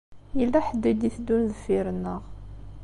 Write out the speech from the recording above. Yella ḥedd i d-iteddun deffir-nneɣ.